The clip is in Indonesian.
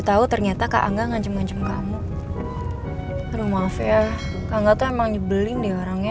tahu ternyata kak na nganjum ngancum kamu rumah fair banget emang boling deh orangnya